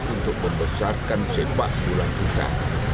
untuk membesarkan sepak bola kita